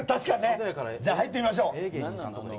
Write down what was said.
じゃあ入ってみましょう。